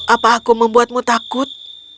apa aku membuatmu takut